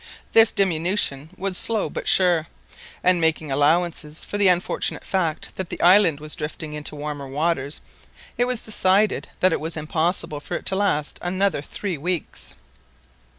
This diminution was slow but sure, and, making allowance for the unfortunate fact that the island was drifting into warmer waters, it was decided that it was impossible for it to last another three weeks.